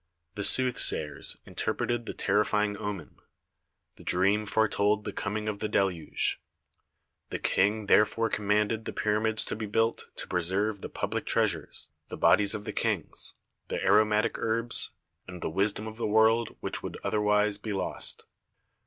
The soothsayers interpreted the ter rifying omen. The dream foretold the coming of the deluge. The King therefore commanded the pyramids to be built to preserve the public treas ures, the bodies of the kings, the aromatic herbs, and the wisdom of the world which would other wise be lost.